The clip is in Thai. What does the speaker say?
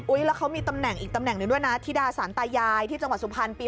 แล้วเขามีตำแหน่งอีกตำแหน่งหนึ่งด้วยนะธิดาสารตายายที่จังหวัดสุพรรณปี